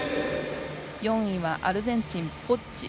４位はアルゼンチン、ポッジ。